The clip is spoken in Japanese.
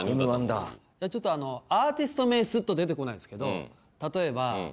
アーティスト名すっと出て来ないんですけど例えば。